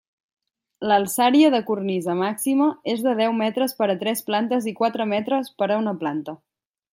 L'alçària de cornisa màxima és de deu metres per a tres plantes i quatre metres per a una planta.